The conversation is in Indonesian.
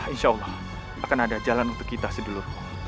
insya allah akan ada jalan untuk kita sedulur